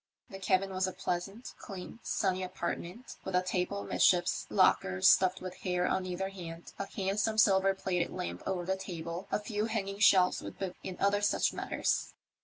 The cabin was a pleasant, clean, sunny apartment, with a table amidships, lockers stuffed with hair on either hand, a handsome silver plated lamp over the table, a few hanging shelves with books and other such matters.